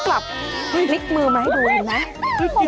เขากลับนิกมือมาให้ดูเห็นไหม